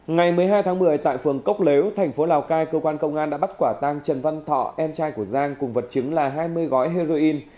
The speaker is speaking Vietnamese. ngày một mươi hai tháng một mươi tại phường cốc lếu thành phố lào cai cơ quan công an đã bắt quả tăng trần văn thọ em trai của giang cùng vật chứng là hai mươi gói heroin